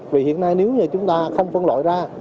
vì hiện nay nếu như chúng ta không phân loại ra